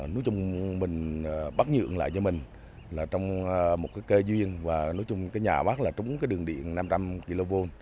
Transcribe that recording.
nói chung mình bắt nhượng lại cho mình là trong một cái cây duyên và nói chung cái nhà bác là trúng cái đường điện năm trăm linh kv